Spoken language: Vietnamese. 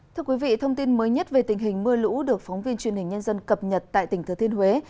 thưa quý vị thông tin mới nhất về tình hình mưa lũ được phóng viên truyền hình nhân dân cập nhật tại tỉnh thừa thiên huế